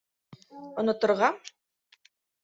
Оноторға?!